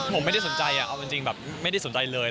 ผมไม่ได้สนใจเอาจริงแบบไม่ได้สนใจเลย